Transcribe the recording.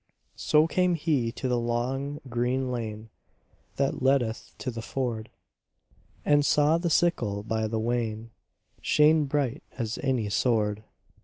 So came he to the long green lane That leadeth to the ford, And saw the sickle by the wain Shine bright as any sword.